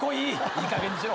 いいかげんにしろ。